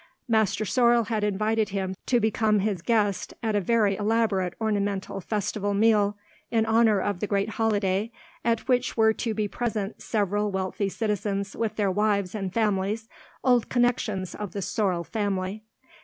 Master Sorel had invited him to become his guest at a very elaborate ornamental festival meal in honour of the great holiday, at which were to be present several wealthy citizens with their wives and families, old connections of the Sorel family.